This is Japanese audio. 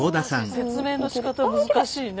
説明のしかた難しいね。